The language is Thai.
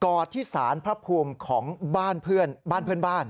อดที่สารพระภูมิของบ้านเพื่อนบ้านเพื่อนบ้าน